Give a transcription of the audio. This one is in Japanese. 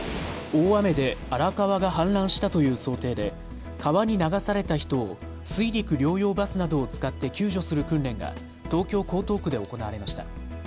大雨で荒川が氾濫したという想定で川に流された人を水陸両用バスなどを使って救助する訓練が東京江東区で行われました。